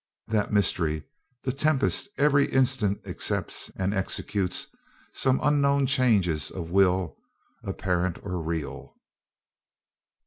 That mystery the tempest every instant accepts and executes some unknown changes of will, apparent or real.